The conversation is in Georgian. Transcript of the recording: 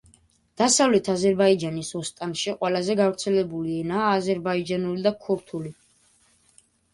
დასავლეთი აზერბაიჯანის ოსტანში ყველაზე გავრცელებული ენაა აზერბაიჯანული და ქურთული.